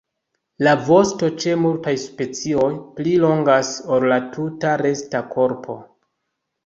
La vosto ĉe multaj specioj pli longas ol la tuta resta korpo.